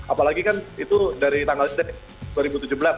apalagi kan itu dari tanggal itu deh